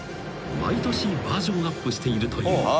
［毎年バージョンアップしているという］